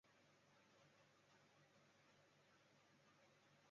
加强保护少年